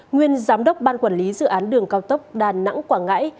nguyên giám đốc ban quản lý dự án đường cao tốc đà nẵng quảng ngãi